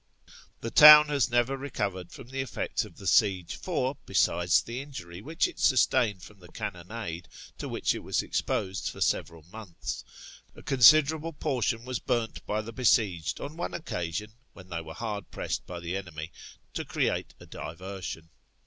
The town has never recovered from the effects of the siege, for, besides the injury which it sustained from the cannonade to which it was exposed for several months, a considerable portion was burnt by the besieged on one occasion, when they were hard pressed by the enemy, to create a diversion.